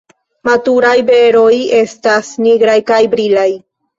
Maturaj beroj estas nigraj kaj brilaj.